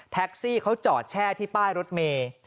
แท็กซี่เค้าเจาะแช่ที่ป้ายรถเมฆ